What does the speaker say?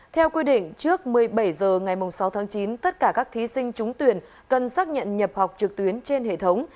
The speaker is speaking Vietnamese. theo quy định trước một mươi bảy h ngày sáu tháng chín tất cả các thí sinh trúng tuyển cần xác nhận nhập học trực tuyến trên hệ thống